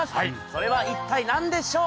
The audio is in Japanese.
それは一体何でしょう？